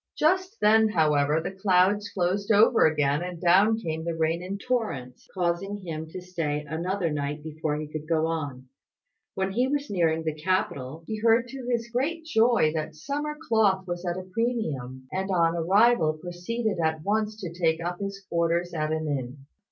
Just then, however, the clouds closed over again, and down came the rain in torrents, causing him to stay another night before he could go on. When he was nearing the capital, he heard to his great joy that summer cloth was at a premium; and on arrival proceeded at once to take up his quarters at an inn.